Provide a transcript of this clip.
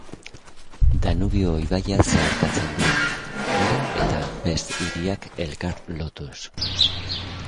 Danubio ibaia zeharkatzen du, Buda eta Pest hiriak elkar lotuz.